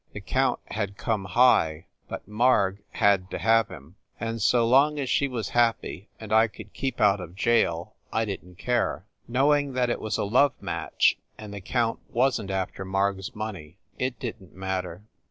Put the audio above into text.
The count had come high, but Marg had to have him, and so long as she was happy and I could keep out of jail I didn t care. Knowing that it was a love match, and the count wasn t after Marg s money, it didn t matter.